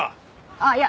あっいや